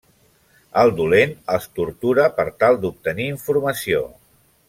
El dolent els tortura per tal d'obtenir informació.